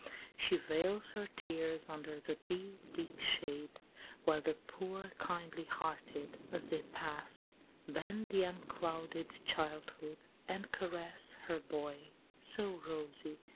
She veils her tears under the deep, deep shade, While the poor kindly hearted, as they pass, Bend to unclouded childhood, and caress Her boy, so rosy!